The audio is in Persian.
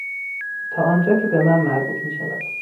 تا آنجا که بهمن مربوط میشود